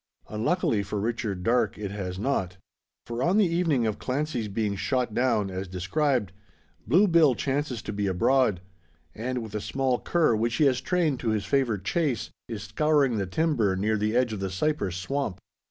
Unluckily for Richard Darke, it has not. For on the evening of Clancy's being shot down, as described, Blue Bill chances to be abroad; and, with a small cur, which he has trained to his favourite chase, is scouring the timber near the edge of the cypress swamp.